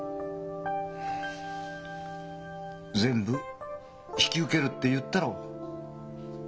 全部引き受けるって言ったろう？